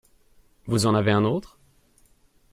Vous en avez un autre ?